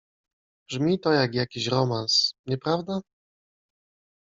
Brzmi to jak jakiś romans, nieprawda?